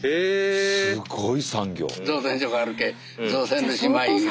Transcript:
すごい産業。